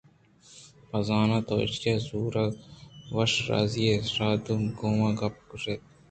بِہ زاں تو ایشی ءِ زُورگ ءَ وشّ ءُ راضی ئے؟ شادو ءَ گوٛمے گپّ ءَ گوشتءَ